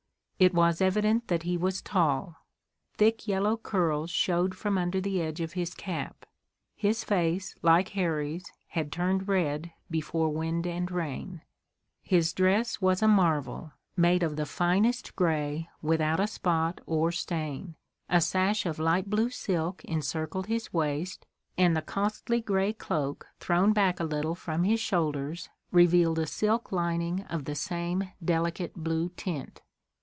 It was evident that he was tall. Thick, yellow curls showed from under the edge of his cap. His face, like Harry's, had turned red before wind and rain. His dress was a marvel, made of the finest gray without a spot or stain. A sash of light blue silk encircled his waist, and the costly gray cloak thrown back a little from his shoulders revealed a silk lining of the same delicate blue tint.